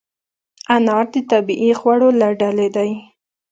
انار د طبیعي خوړو له ډلې دی.